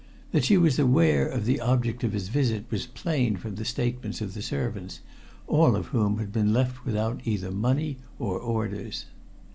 That she was aware of the object of his visit was plain from the statements of the servants, all of whom had been left without either money or orders.